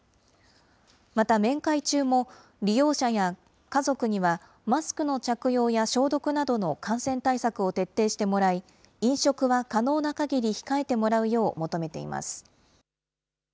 また、面会中も、利用者や家族には、マスクの着用や消毒などの感染対策を徹底してもらい、飲食は可能なかぎり控えてもらうよう求めています。